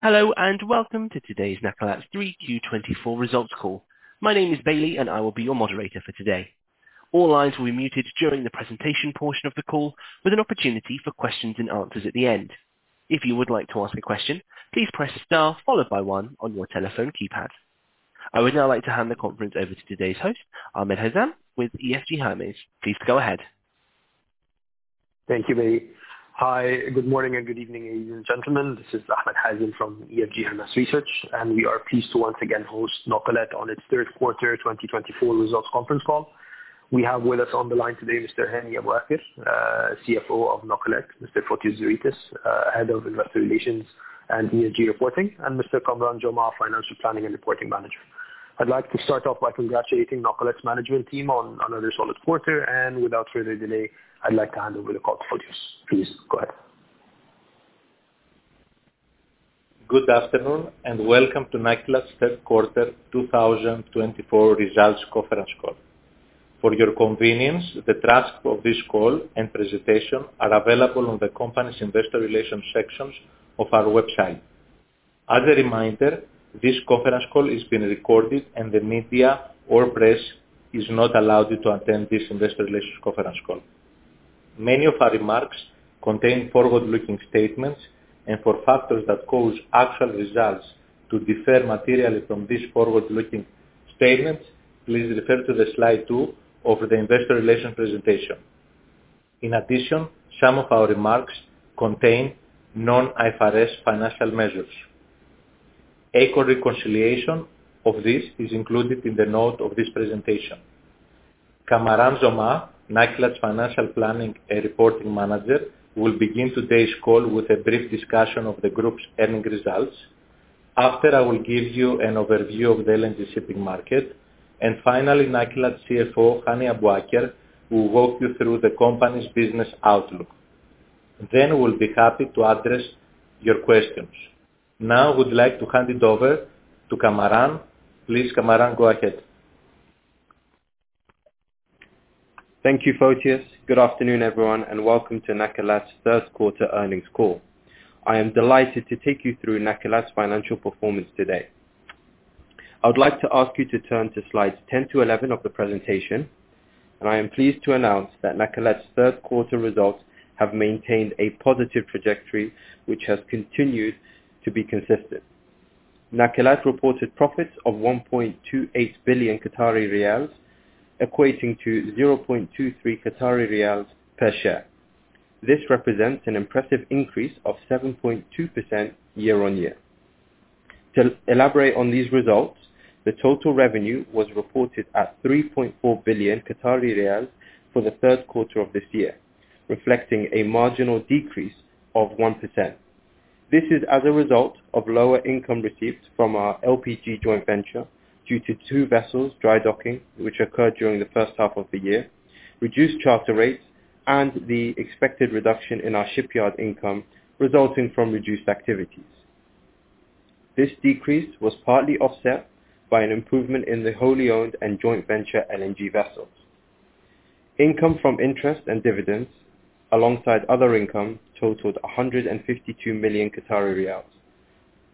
Hello, and welcome to today's Nakilat's 3Q 2024 results call. My name is Bailey, and I will be your moderator for today. All lines will be muted during the presentation portion of the call, with an opportunity for questions and answers at the end. If you would like to ask a question, please press star followed by one on your telephone keypad. I would now like to hand the conference over to today's host, Ahmed Hazem, with EFG Hermes. Please go ahead. Thank you, Bailey. Hi, good morning and good evening, ladies and gentlemen. This is Ahmed Hazem from EFG Hermes Research, we are pleased to once again host Nakilat on its third quarter 2024 results conference call. We have with us on the line today Mr. Hani Abuaker, CFO of Nakilat, Mr. Fotios Zeritis, Head of Investor Relations and ESG Reporting, and Mr. Kamaran Jomah, Financial Planning and Reporting Manager. I'd like to start off by congratulating Nakilat's management team on another solid quarter, without further delay, I'd like to hand over the call to Fotios. Please go ahead. Good afternoon and welcome to Nakilat's third quarter 2024 results conference call. For your convenience, the transcript of this call and presentation are available on the company's Investor Relations sections of our website. As a reminder, this conference call is being recorded, the media or press is not allowed to attend this Investor Relations conference call. Many of our remarks contain forward-looking statements, for factors that cause actual results to differ materially from these forward-looking statements, please refer to the Slide two of the Investor Relations presentation. In addition, some of our remarks contain non-IFRS financial measures. A corresponding reconciliation of this is included in the note of this presentation. Kamaran Jomah, Nakilat's Financial Planning and Reporting Manager, will begin today's call with a brief discussion of the group's earnings results. I will give you an overview of the LNG shipping market. Finally, Nakilat's CFO, Hani Abuaker, will walk you through the company's business outlook. We'll be happy to address your questions. We'd like to hand it over to Kamaran. Please, Kamaran, go ahead. Thank you, Fotios. Good afternoon, everyone, and welcome to Nakilat's third quarter earnings call. I am delighted to take you through Nakilat's financial performance today. I would like to ask you to turn to Slides 10 to 11 of the presentation. I am pleased to announce that Nakilat's third quarter results have maintained a positive trajectory, which has continued to be consistent. Nakilat reported profits of 1.28 billion Qatari riyals, equating to 0.23 Qatari riyals per share. This represents an impressive increase of 7.2% year-on-year. To elaborate on these results, the total revenue was reported at 3.4 billion Qatari riyals for the third quarter of this year, reflecting a marginal decrease of 1%. This is as a result of lower income received from our LPG joint venture due to two vessels dry docking, which occurred during the first half of the year, reduced charter rates, and the expected reduction in our shipyard income resulting from reduced activities. This decrease was partly offset by an improvement in the wholly owned and joint venture LNG vessels. Income from interest and dividends alongside other income totaled 152 million Qatari riyals.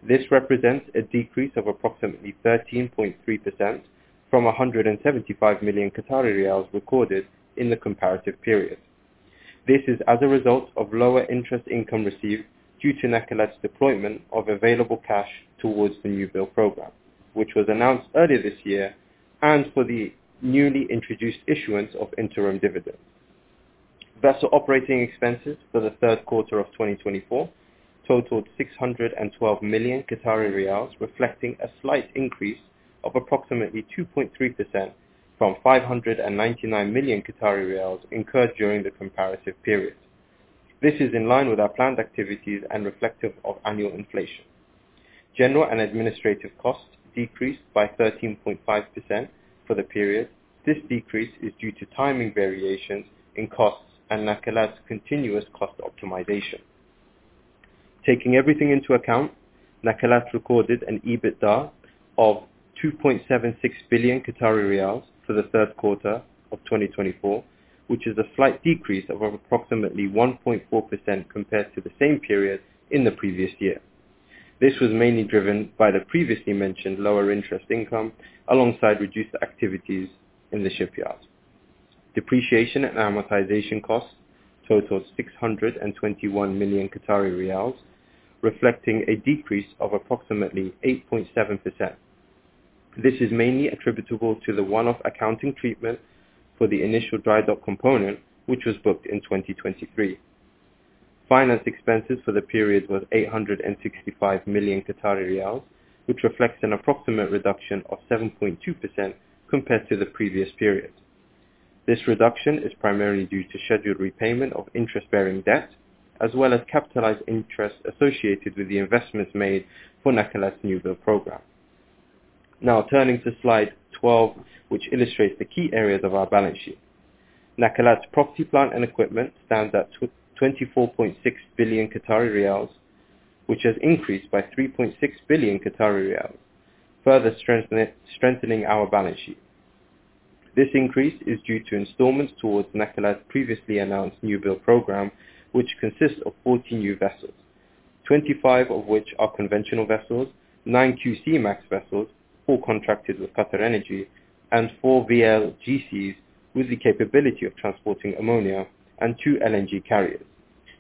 This represents a decrease of approximately 13.3% from 175 million Qatari riyals recorded in the comparative period. This is as a result of lower interest income received due to Nakilat's deployment of available cash towards the new build program, which was announced earlier this year and for the newly introduced issuance of interim dividend. Vessel operating expenses for the third quarter of 2024 totaled 612 million Qatari riyals, reflecting a slight increase of approximately 2.3% from 599 million Qatari riyals incurred during the comparative period. This is in line with our planned activities and reflective of annual inflation. General and administrative costs decreased by 13.5% for the period. This decrease is due to timing variation in costs and Nakilat's continuous cost optimization. Taking everything into account, Nakilat recorded an EBITDA of 2.76 billion Qatari riyals for the third quarter of 2024, which is a slight decrease of approximately 1.4% compared to the same period in the previous year. This was mainly driven by the previously mentioned lower interest income alongside reduced activities in the shipyard. Depreciation and amortization costs totaled 621 million Qatari riyals, reflecting a decrease of approximately 8.7%. This is mainly attributable to the one-off accounting treatment for the initial dry dock component, which was booked in 2023. Finance expenses for the period was 865 million Qatari riyals, which reflects an approximate reduction of 7.2% compared to the previous period. This reduction is primarily due to scheduled repayment of interest-bearing debt, as well as capitalized interest associated with the investments made for Nakilat's new-build program. Now turning to Slide 12, which illustrates the key areas of our balance sheet. Nakilat's property, plant, and equipment stands at 24.6 billion Qatari riyals, which has increased by 3.6 billion Qatari riyals, further strengthening our balance sheet. This increase is due to installments towards Nakilat's previously announced new build program, which consists of 40 new vessels, 25 of which are conventional vessels, 9 Q-Max vessels, four contracted with QatarEnergy, and four VLGCs with the capability of transporting ammonia and two LNG carriers.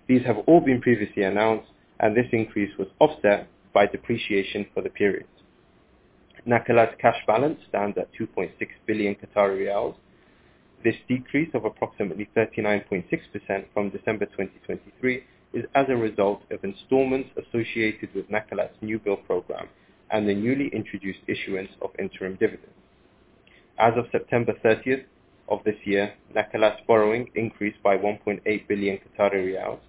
These have all been previously announced, and this increase was offset by depreciation for the period. Nakilat's cash balance stands at 2.6 billion Qatari riyals. This decrease of approximately 39.6% from December 2023 is as a result of installments associated with Nakilat's new build program and the newly introduced issuance of interim dividends. As of September 30th of this year, Nakilat's borrowing increased by 1.8 billion Qatari riyals,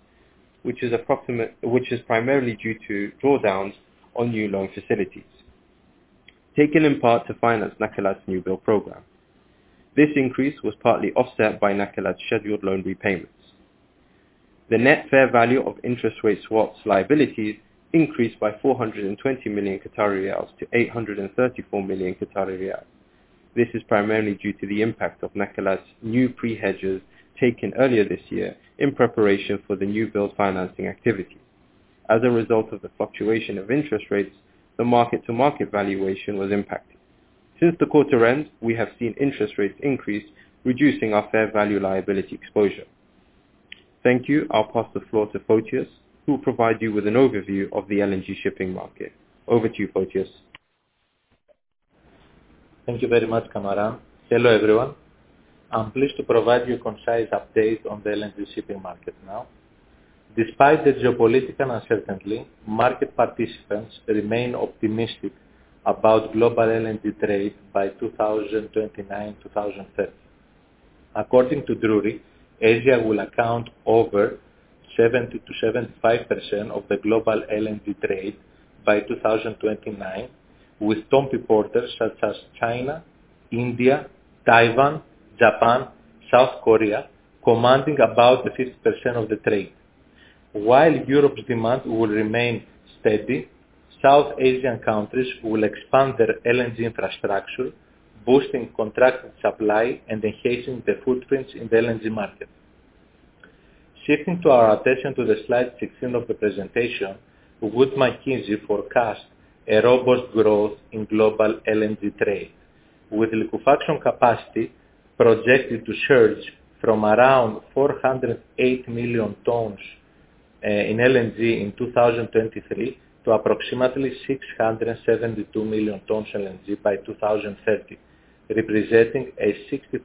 which is primarily due to drawdowns on new loan facilities, taken in part to finance Nakilat's new build program. This increase was partly offset by Nakilat's scheduled loan repayments. The net fair value of interest rate swaps liabilities increased by 420 million Qatari riyals to 834 million Qatari riyals. This is primarily due to the impact of Nakilat's new pre-hedges taken earlier this year in preparation for the new build financing activity. As a result of the fluctuation of interest rates, the mark-to-market valuation was impacted. Since the quarter end, we have seen interest rates increase, reducing our fair value liability exposure. Thank you. I'll pass the floor to Fotios, who will provide you with an overview of the LNG shipping market. Over to you, Fotios. Thank you very much, Kamaran. Hello, everyone. I'm pleased to provide you a concise update on the LNG shipping market now. Despite the geopolitical uncertainty, market participants remain optimistic about global LNG trade by 2029, 2030. According to Drewry, Asia will account over 70%-75% of the global LNG trade by 2029, with top importers such as China, India, Taiwan, Japan, South Korea, commanding about 50% of the trade. While Europe's demand will remain steady, South Asian countries will expand their LNG infrastructure, boosting contracted supply and enhancing their footprints in the LNG market. Shifting our attention to the slide 16 of the presentation, Wood Mackenzie forecasts a robust growth in global LNG trade, with liquefaction capacity projected to surge from around 408 million tons in LNG in 2023 to approximately 672 million tons LNG by 2030, representing a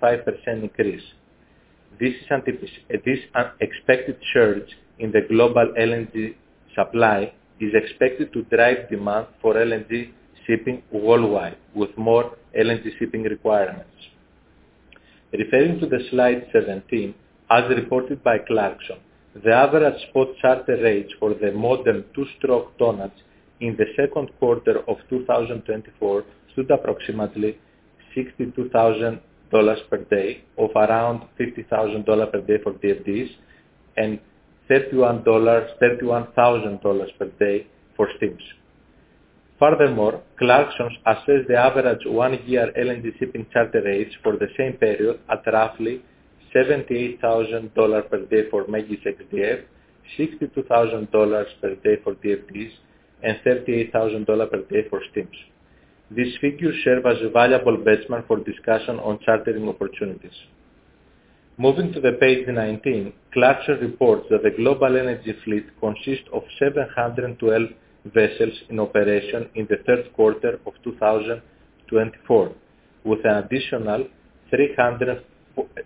65% increase. This unexpected surge in the global LNG supply is expected to drive demand for LNG shipping worldwide with more LNG shipping requirements. Referring to the slide 17, as reported by Clarksons, the average spot charter rates for the modern two-stroke tonnage in the second quarter of 2024 stood approximately $62,000 per day of around $50,000 per day for DFDEs and $31,000 per day for STEAMs. Furthermore, Clarksons assess the average one-year LNG shipping charter rates for the same period at roughly $78,000 per day for ME-GI XDF, $62,000 per day for DFDEs, and $38,000 per day for STEAMs. These figures serve as a valuable benchmark for discussion on chartering opportunities. Moving to page 19, Clarksons reports that the global energy fleet consists of 712 vessels in operation in the third quarter of 2024, with an additional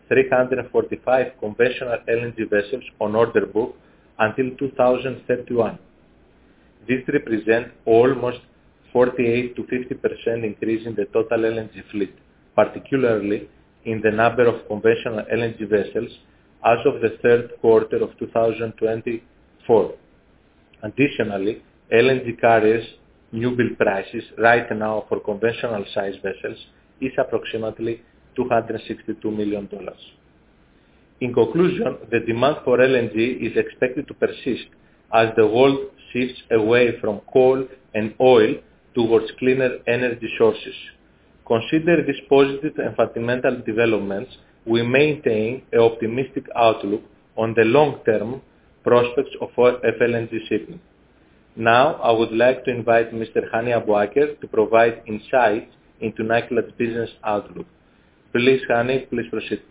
345 conventional LNG vessels on order book until 2031. This represents almost 48%-50% increase in the total LNG fleet, particularly in the number of conventional LNG vessels as of the third quarter of 2024. Additionally, LNG carriers' new build prices right now for conventional size vessels is approximately QAR 262 million. In conclusion, the demand for LNG is expected to persist as the world shifts away from coal and oil towards cleaner energy sources. Considering these positive and fundamental developments, we maintain an optimistic outlook on the long-term prospects of LNG shipping. Now, I would like to invite Mr. Hani Abuaker to provide insight into Nakilat business outlook. Please, Hani, please proceed.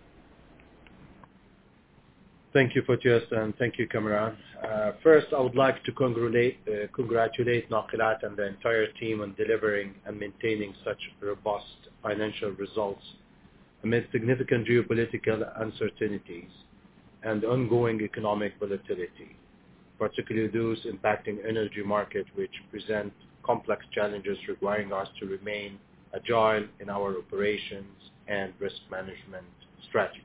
Thank you, Fotios, and thank you, Kamaran. First, I would like to congratulate Nakilat and the entire team on delivering and maintaining such robust financial results amidst significant geopolitical uncertainties and ongoing economic volatility, particularly those impacting energy markets, which present complex challenges requiring us to remain agile in our operations and risk management strategies.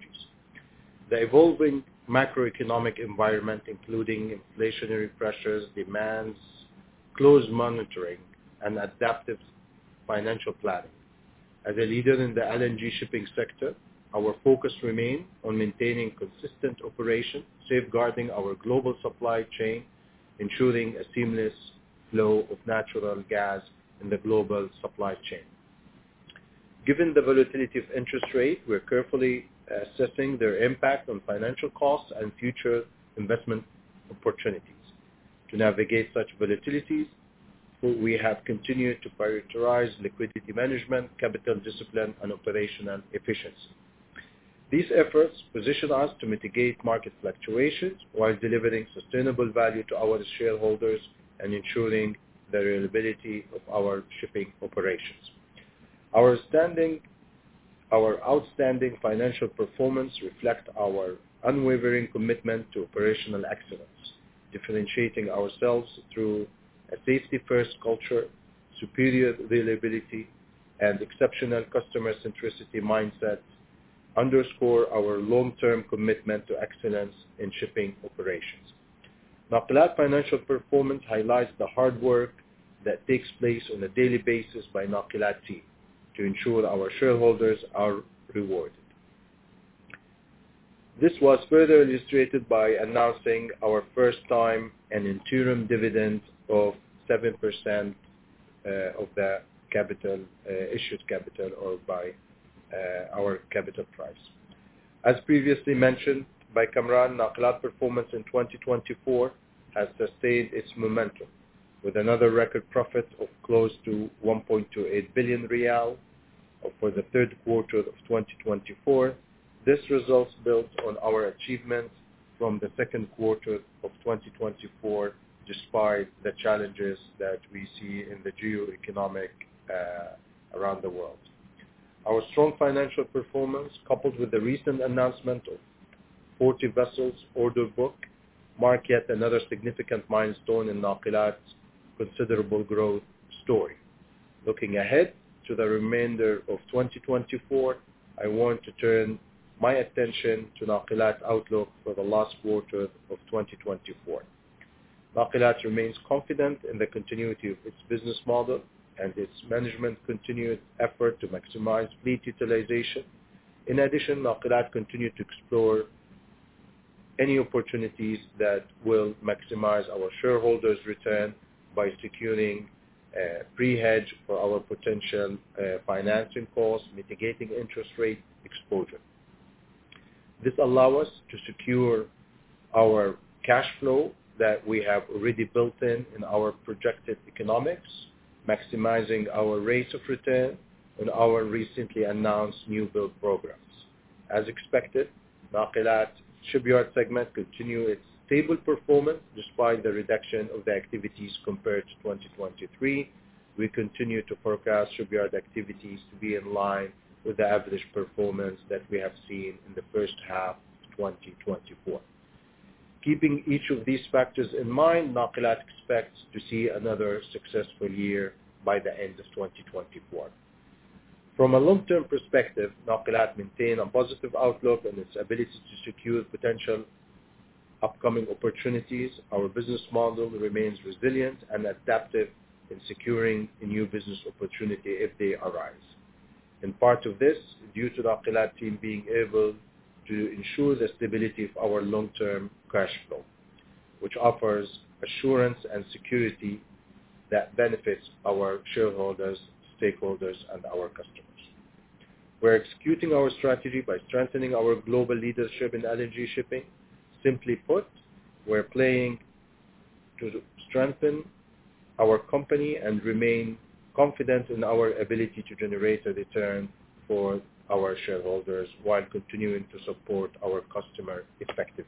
The evolving macroeconomic environment, including inflationary pressures, demands close monitoring and adaptive financial planning. As a leader in the LNG shipping sector, our focus remains on maintaining consistent operation, safeguarding our global supply chain Ensuring a seamless flow of natural gas in the global supply chain. Given the volatility of interest rate, we're carefully assessing their impact on financial costs and future investment opportunities. To navigate such volatility, we have continued to prioritize liquidity management, capital discipline, and operational efficiency. These efforts position us to mitigate market fluctuations while delivering sustainable value to our shareholders and ensuring the reliability of our shipping operations. Our outstanding financial performance reflects our unwavering commitment to operational excellence, differentiating ourselves through a safety-first culture, superior reliability, and exceptional customer centricity mindsets underscore our long-term commitment to excellence in shipping operations. Nakilat financial performance highlights the hard work that takes place on a daily basis by Nakilat team to ensure our shareholders are rewarded. This was further illustrated by announcing our first time an interim dividend of 7% of the issued capital or by our capital price. As previously mentioned by Kamaran, Nakilat performance in 2024 has sustained its momentum with another record profit of close to 1.28 billion riyal for the third quarter of 2024. This result builds on our achievements from the second quarter of 2024, despite the challenges that we see in the geo-economic around the world. Our strong financial performance, coupled with the recent announcement of 40 vessels order book, mark yet another significant milestone in Nakilat's considerable growth story. Looking ahead to the remainder of 2024, I want to turn my attention to Nakilat outlook for the last quarter of 2024. Nakilat remains confident in the continuity of its business model and its management continued effort to maximize fleet utilization. In addition, Nakilat continue to explore any opportunities that will maximize our shareholders' return by securing pre-hedge for our potential financing costs, mitigating interest rate exposure. This allow us to secure our cash flow that we have already built in our projected economics, maximizing our rates of return on our recently announced new build programs. As expected, Nakilat shipyard segment continue its stable performance despite the reduction of the activities compared to 2023. We continue to forecast shipyard activities to be in line with the average performance that we have seen in the first half of 2024. Keeping each of these factors in mind, Nakilat expects to see another successful year by the end of 2024. From a long-term perspective, Nakilat maintain a positive outlook on its ability to secure potential upcoming opportunities. Our business model remains resilient and adaptive in securing new business opportunity if they arise. Part of this is due to Nakilat team being able to ensure the stability of our long-term cash flow, which offers assurance and security that benefits our shareholders, stakeholders, and our customers. We're executing our strategy by strengthening our global leadership in LNG shipping. Simply put, we're playing to strengthen our company and remain confident in our ability to generate a return for our shareholders while continuing to support our customer effectively.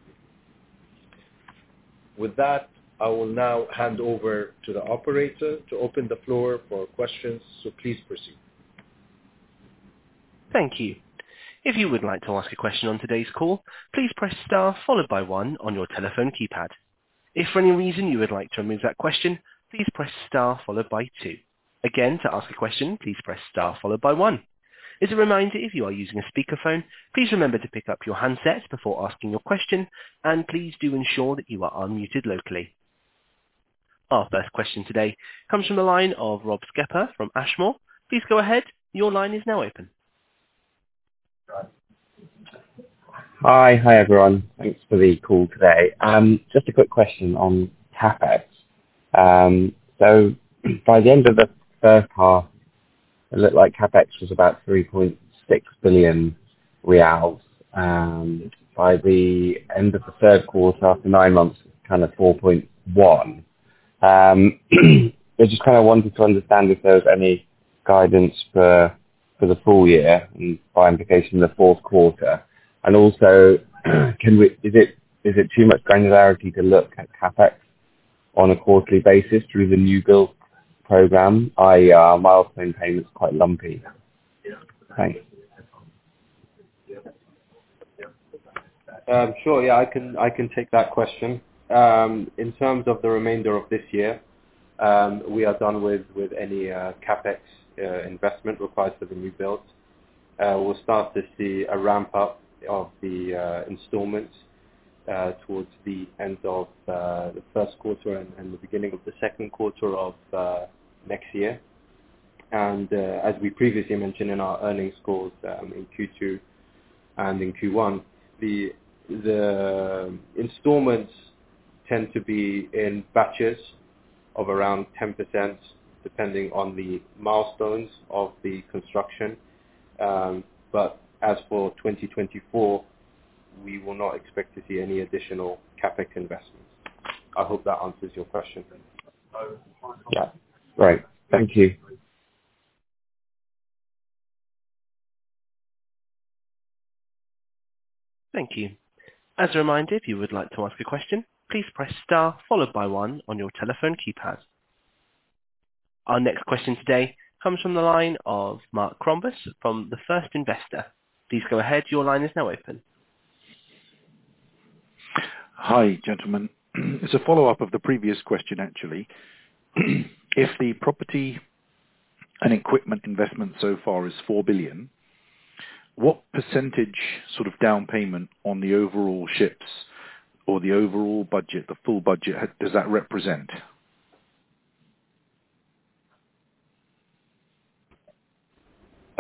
With that, I will now hand over to the operator to open the floor for questions. Please proceed. Thank you. If you would like to ask a question on today's call, please press star followed by one on your telephone keypad. If for any reason you would like to remove that question, please press star followed by two. Again, to ask a question, please press star followed by one. As a reminder, if you are using a speakerphone, please remember to pick up your handset before asking your question, and please do ensure that you are unmuted locally. Our first question today comes from the line of Rob Skepper from Ashmore. Please go ahead. Your line is now open. Hi, everyone. Thanks for the call today. Just a quick question on CapEx. By the end of the first half, it looked like CapEx was about QAR 3.6 billion. By the end of the third quarter, after nine months, kind of 4.1 billion. I just wanted to understand if there was any guidance for the full year and by implication, the fourth quarter. Also, is it too much granularity to look at CapEx on a quarterly basis through the new build program, i.e., milestone payments is quite lumpy? Thanks. Sure. Yeah, I can take that question. In terms of the remainder of this year, we are done with any CapEx investment required for the new build. We'll start to see a ramp-up of the installments towards the end of the first quarter and the beginning of the second quarter of next year. As we previously mentioned in our earnings calls, in Q2 and in Q1, the installments tend to be in batches of around 10%, depending on the milestones of the construction. As for 2024, we will not expect to see any additional CapEx investments. I hope that answers your question. Yeah. Great. Thank you. Thank you. As a reminder, if you would like to ask a question, please press star followed by one on your telephone keypad. Our next question today comes from the line of Mark Crombez from The First Investor. Please go ahead. Your line is now open. Hi, gentlemen. It's a follow-up of the previous question, actually. If the property and equipment investment so far is 4 billion, what percentage sort of down payment on the overall ships or the overall budget, the full budget, does that represent?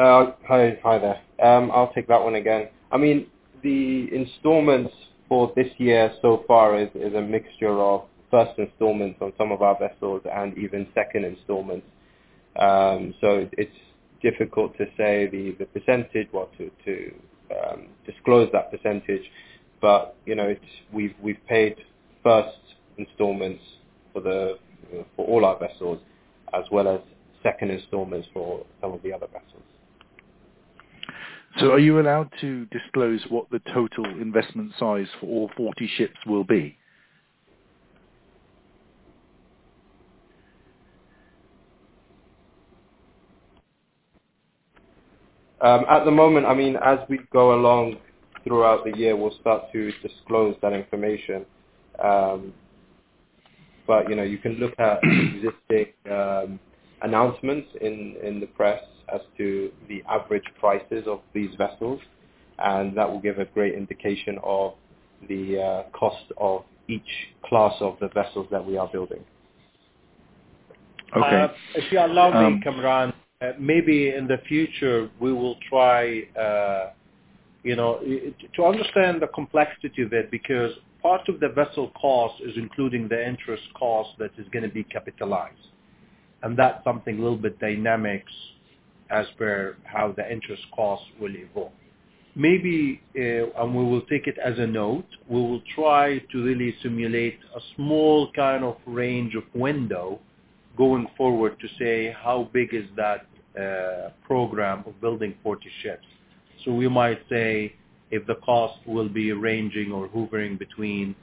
Hi there. I'll take that one again. The installments for this year so far is a mixture of first installments on some of our vessels and even second installments. It's difficult to say the percentage or to disclose that percentage, but we've paid first installments for all our vessels as well as second installments for some of the other vessels. Are you allowed to disclose what the total investment size for all 40 ships will be? At the moment, as we go along throughout the year, we'll start to disclose that information. You can look at existing announcements in the press as to the average prices of these vessels, and that will give a great indication of the cost of each class of the vessels that we are building. Okay. If you allow me, Kamaran, maybe in the future, we will try to understand the complexity of it, because part of the vessel cost is including the interest cost that is going to be capitalized. That's something a little bit dynamic as per how the interest cost will evolve. Maybe, and we will take it as a note, we will try to really simulate a small kind of range of window going forward to say how big is that program of building 40 ships. We might say if the cost will be ranging or hovering between,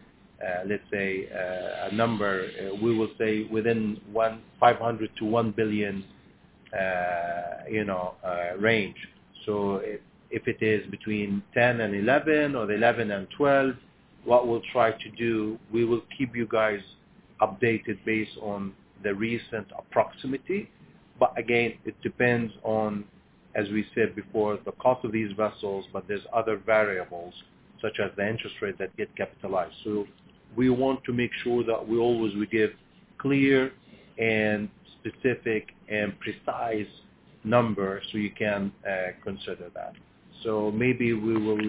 let's say, a number, we will say within 500 million-1 billion range. If it is between 10 and 11 or 11 and 12, what we'll try to do, we will keep you guys updated based on the recent proximity. Again, it depends on, as we said before, the cost of these vessels, but there's other variables such as the interest rate that get capitalized. We want to make sure that we always give clear and specific and precise numbers so you can consider that. Maybe we will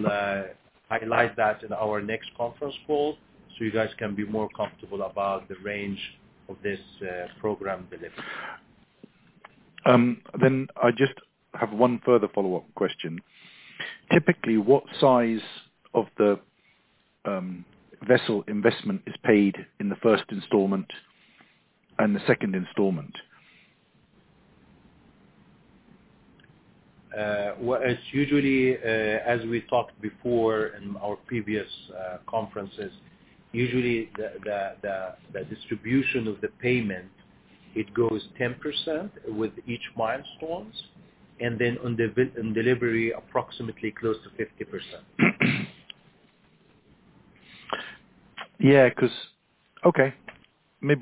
highlight that in our next conference call so you guys can be more comfortable about the range of this program delivery. I just have one further follow-up question. Typically, what size of the vessel investment is paid in the first installment and the second installment? It's usually, as we talked before in our previous conferences, usually the distribution of the payment, it goes 10% with each milestone, and then on delivery, approximately close to 50%. Maybe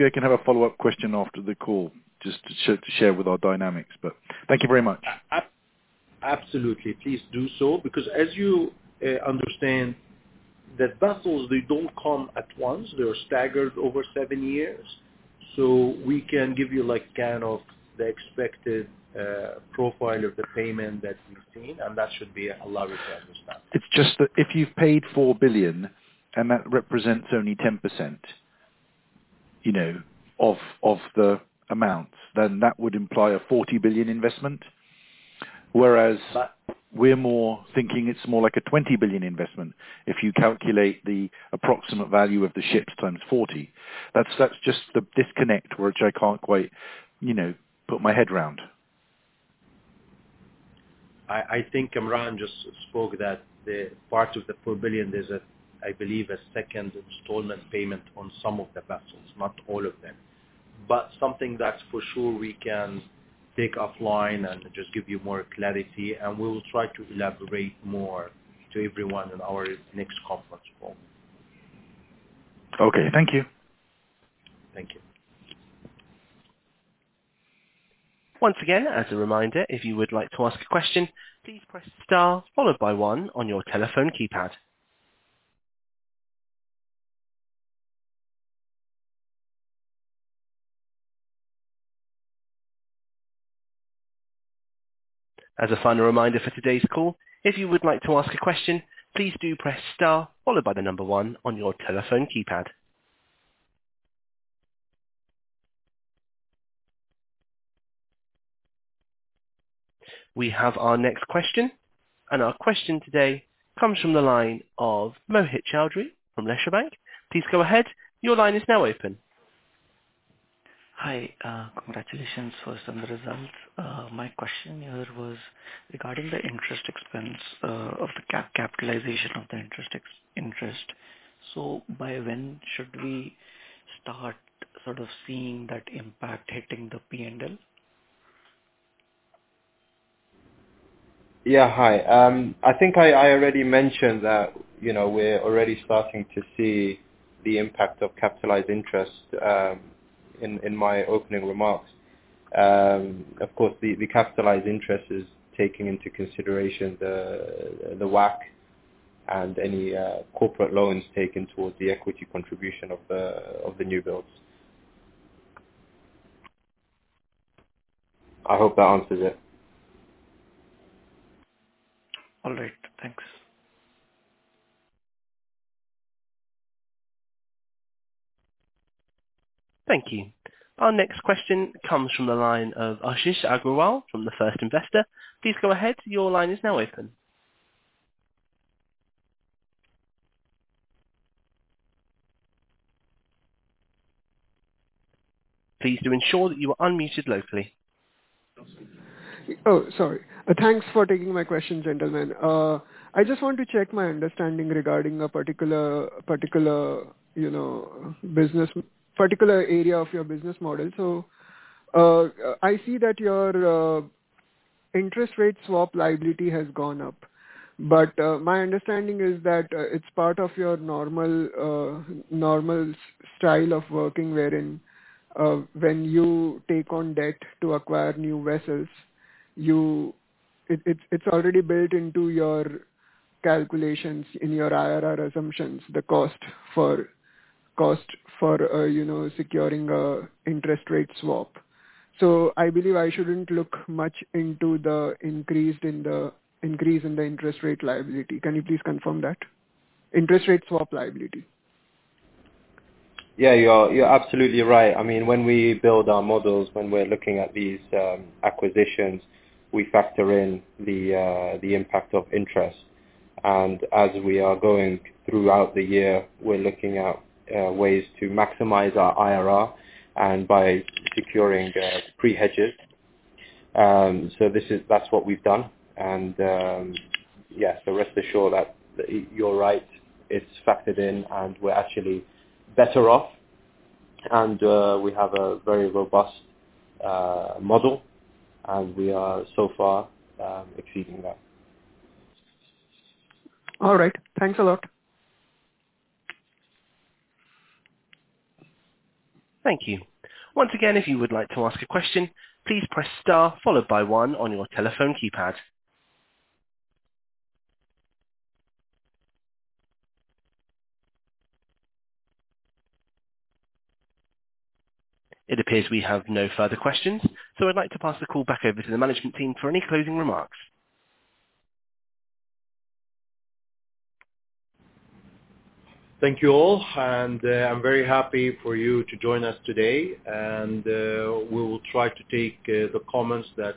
I can have a follow-up question after the call, just to share with our dynamics. Thank you very much. Absolutely. Please do so, as you understand, the vessels, they don't come at once. They are staggered over seven years. We can give you, kind of the expected profile of the payment that we've seen, that should allow you to understand. It's just if you've paid 4 billion that represents only 10% of the amounts, that would imply a 40 billion investment. We're more thinking it's more like a 20 billion investment if you calculate the approximate value of the ships times 40. That's just the disconnect, which I can't quite put my head around. I think Kamaran just spoke that the part of the 4 billion, there's, I believe, a second installment payment on some of the vessels, not all of them. Something that for sure we can take offline and just give you more clarity. We will try to elaborate more to everyone in our next conference call. Okay. Thank you. Thank you. Once again, as a reminder, if you would like to ask a question, please press star followed by one on your telephone keypad. As a final reminder for today's call, if you would like to ask a question, please do press star followed by the number one on your telephone keypad. Our question today comes from the line of Mohit Chaudhary from Lesha Bank. Please go ahead. Your line is now open. Hi. Congratulations first on the results. My question here was regarding the interest expense of the capitalization of the interest. By when should we start sort of seeing that impact hitting the P&L? Yeah. Hi. I think I already mentioned that we're already starting to see the impact of capitalized interest in my opening remarks. Of course, the capitalized interest is taking into consideration the WACC and any corporate loans taken towards the equity contribution of the new builds. I hope that answers it. All right. Thanks. Thank you. Our next question comes from the line of Ashish Agrawal from The First Investor. Please go ahead. Your line is now open. Please do ensure that you are unmuted locally. Oh, sorry. Thanks for taking my question, gentlemen. I just want to check my understanding regarding a particular area of your business model. I see that your interest rate swap liability has gone up. My understanding is that it's part of your normal style of working, wherein when you take on debt to acquire new vessels, it's already built into your calculations in your IRR assumptions, the cost for securing a interest rate swap. I believe I shouldn't look much into the increase in the interest rate liability. Can you please confirm that? Interest rate swap liability. You're absolutely right. When we build our models, when we're looking at these acquisitions, we factor in the impact of interest. As we are going throughout the year, we're looking at ways to maximize our IRR by securing pre-hedges. That's what we've done. Rest assured that you're right, it's factored in, and we're actually better off. We have a very robust model, and we are so far achieving that. All right. Thanks a lot. Thank you. Once again, if you would like to ask a question, please press star followed by one on your telephone keypad. It appears we have no further questions, I'd like to pass the call back over to the management team for any closing remarks. Thank you all, I'm very happy for you to join us today. We will try to take the comments that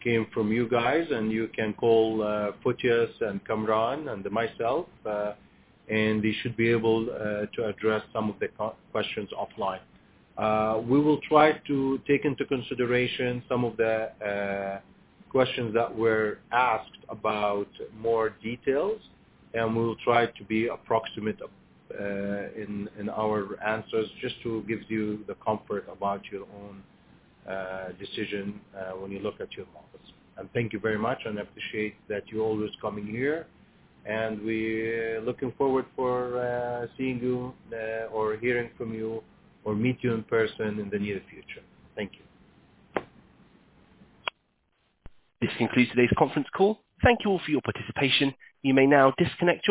came from you guys, and you can call Fotios and Kamaran and myself, they should be able to address some of the questions offline. We will try to take into consideration some of the questions that were asked about more details, we will try to be approximate in our answers just to give you the comfort about your own decision when you look at your models. Thank you very much, I appreciate that you're always coming here. We looking forward for seeing you or hearing from you or meet you in person in the near future. Thank you. This concludes today's conference call. Thank you all for your participation. You may now disconnect your lines